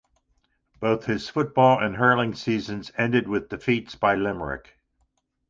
Both his football and hurling seasons ended with defeats by Limerick.